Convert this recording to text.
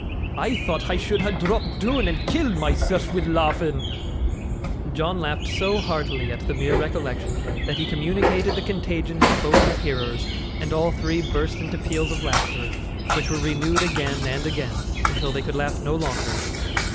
I tho't I should ha' dropped doon, and killed myself wi' laughing.' John laughed so heartily at the mere recollection, that he communicated the contagion to both his hearers, and all three burst into peals of laughter, which were renewed again and again, until they could laugh no longer.